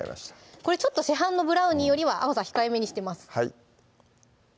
これちょっと市販のブラウニーよりは甘さ控えめにしてます